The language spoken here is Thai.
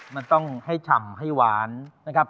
มันต้องให้ฉ่ำให้หวานนะครับ